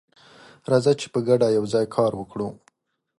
راځه چې په ګډه یوځای کار وکړو.